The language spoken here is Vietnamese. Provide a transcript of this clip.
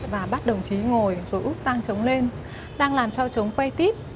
và bắt đồng chí ngồi rồi úp tang trống lên tang làm cho trống quay tiếp